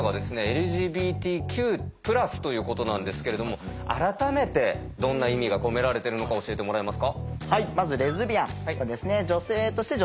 「ＬＧＢＴＱ＋」ということなんですけれども改めてどんな意味が込められてるのか教えてもらえますか？